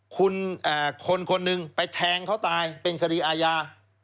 คุณคนคนหนึ่งไปแทงเขาตายเป็นคดีอาญา